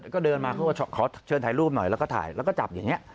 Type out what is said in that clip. ก็เดินมาเขาก็ขอเชิญถ่ายรูปหน่อยแล้วก็ถ่ายแล้วก็จับอย่างนี้